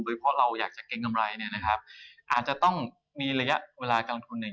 โดยเพราะเราอยากจะเกรงกำไรเนี่ยนะครับอาจจะต้องมีระยะเวลาการลงทุนเนี่ย